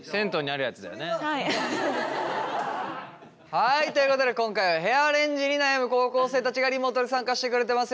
はいということで今回はヘアアレンジに悩む高校生たちがリモートで参加してくれてます。